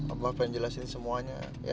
abah ingin jelaskan semuanya ya